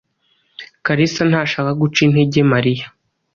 Kalisa ntashaka guca intege Mariya.